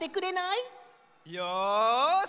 よし！